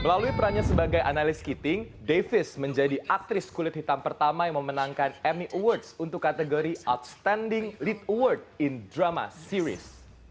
melalui perannya sebagai analis skeeting davis menjadi aktris kulit hitam pertama yang memenangkan ammy awards untuk kategori outstanding lead award in drama series